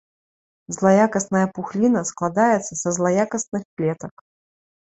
Злаякасная пухліна складаецца са злаякасных клетак.